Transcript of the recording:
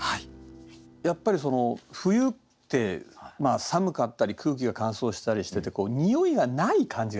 やっぱり冬って寒かったり空気が乾燥したりしててにおいがない感じがするじゃないですか。